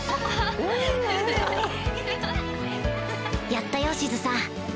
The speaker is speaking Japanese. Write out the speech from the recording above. やったよシズさん